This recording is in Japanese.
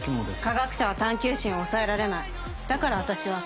科学者は探究心を抑えられないだから私は。